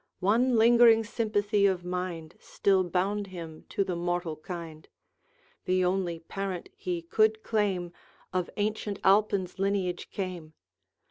One lingering sympathy of mind Still bound him to the mortal kind; The only parent he could claim Of ancient Alpine's lineage came.